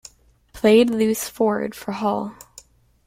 Played Loose Forward for Hull.